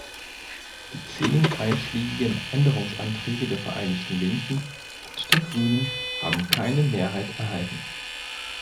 Die zehn einschlägigen Änderungsanträge der Vereinigten Linken und der Grünen haben keine Mehrheit erhalten.